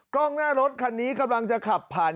กล้องหน้ารถคันนี้กำลังจะขับผ่าน